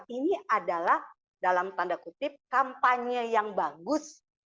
ini adalah dalam tanda kutip kampanye yang bagus